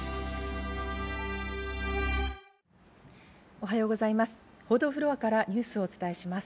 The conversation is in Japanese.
おはようございます。